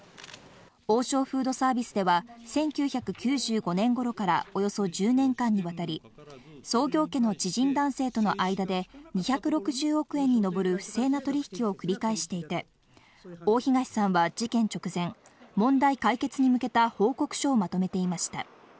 王将フードサービスでは１９９５年ごろからおよそ１０年間にわたり、創業家の知人男性との間で２６０億円に上る不正な取引を繰り返していて、大東さんは事件直前、問題解決に向けた報告書をまとめていました。